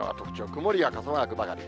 曇りや傘マークばかり。